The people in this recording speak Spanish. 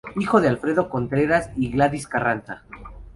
Hijo de Alfredo Contreras y Gladys Carranza.